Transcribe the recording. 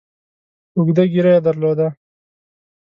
اوږده ږیره یې درلوده.